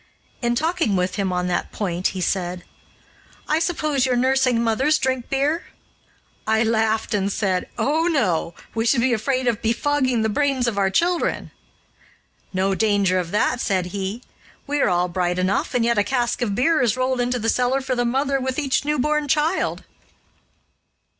In talking with him on that point, he said: "I suppose your nursing mothers drink beer?" I laughed, and said, "Oh, no! We should be afraid of befogging the brains of our children." "No danger of that," said he; "we are all bright enough, and yet a cask of beer is rolled into the cellar for the mother with each newborn child."